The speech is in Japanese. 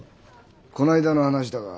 この間の話だが。